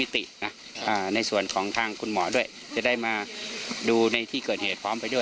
แล้วตอนนี้จะครบ๙๐วันมีแนะนำจะมีการพักคดีบ้างไหมครับ